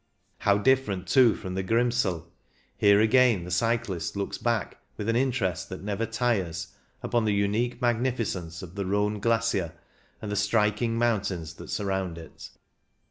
How different, too, from the Grimsel ! Here again the cyclist looks back, with an interest that never tires, upon the unique magnificence of the Rhone glacier and the striking mountains that surround it.